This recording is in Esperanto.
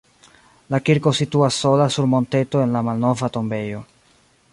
La kirko situas sola sur monteto en la malnova tombejo.